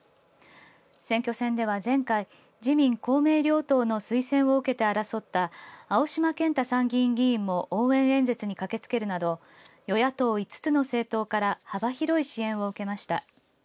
選挙戦では前回自民・公明両党の推薦を受けて争った青島健太参議院議員も応援演説に駆けつけるなど与野党５つの政党から幅広い支援を受けました。